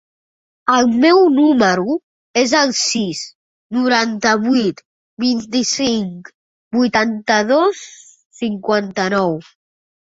El meu número es el sis, noranta-vuit, vint-i-cinc, vuitanta-dos, cinquanta-nou.